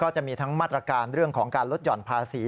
จะมีทั้งมาตรการเรื่องของการลดหย่อนภาษี